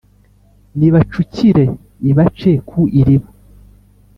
nibacukire ibace ku iriba